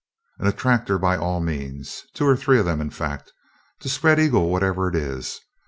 "An attractor, by all means. Two or three of them, in fact, to spread eagle whatever it is.